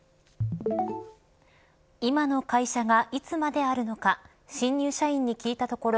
今の会社がいつまであるのか新入社員に聞いたところ